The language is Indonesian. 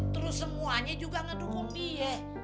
terus semuanya juga ngedukung dia